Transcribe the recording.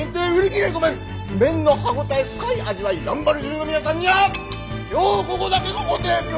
麺の歯応え深い味わいやんばる中の皆さんには今日ここだけのご提供！